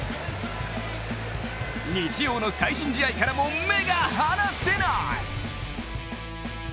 日曜の最新試合からも目が離せない。